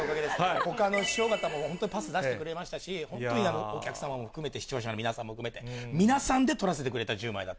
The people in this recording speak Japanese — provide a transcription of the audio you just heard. ほかの師匠方も、本当にパス出してくださいましたし、本当にお客様も含めて、視聴者の皆さんも含めて、皆さんで取らせてくれた